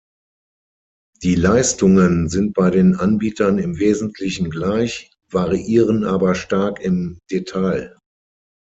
Die Leistungen sind bei den Anbietern im Wesentlichen gleich, variieren aber stark im Detail.